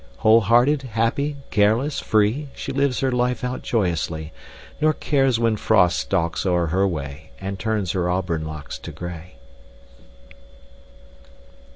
Whole hearted, happy, careless, free, She lives her life out joyously, Nor cares when Frost stalks o'er her way And turns her auburn locks to gray.